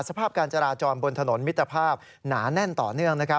สภาพการจราจรบนถนนมิตรภาพหนาแน่นต่อเนื่อง